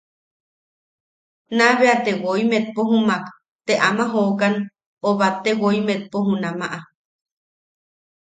Naa bea te woi metpo jumak te ama jookan o batte woi metpo junama.